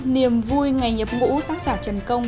niềm vui ngày nhập ngũ tác giả trần công